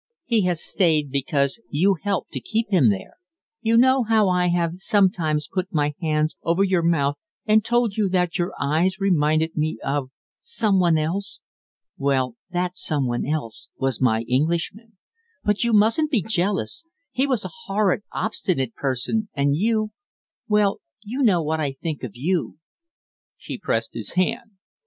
"He has stayed because you helped to keep him there. You know how I have sometimes put my hands over your mouth and told you that your eyes reminded me of some one else? Well, that some one else was my Englishman. But you mustn't be jealous; he was a horrid, obstinate person, and you well, you know what I think of you " She pressed his hand.